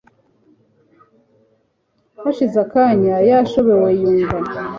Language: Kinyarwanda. hashize akanya yashobewe yumva